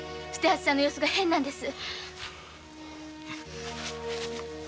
患者さんの様子が変なんです。